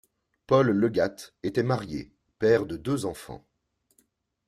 Paul Legatte était marié, père de deux enfants.